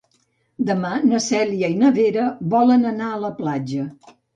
Demà na Cèlia i na Vera volen anar a la platja.